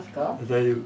大丈夫。